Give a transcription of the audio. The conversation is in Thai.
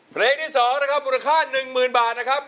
เพลงที่สองนะครับมูลค่า๑หมื่นบาทนะครับ